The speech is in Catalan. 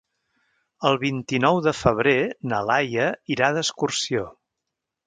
El vint-i-nou de febrer na Laia irà d'excursió.